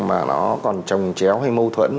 mà nó còn trồng chéo hay mâu thuẫn